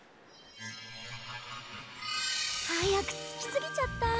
はやくつきすぎちゃった。